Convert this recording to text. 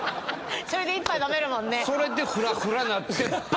それで１杯飲めるもんね。